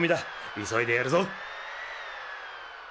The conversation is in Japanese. いそいでやるぞ。